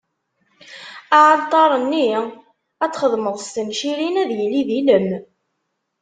Aɛalṭar-nni? ad t-txedmeḍ s tencirin, ad yili d ilem.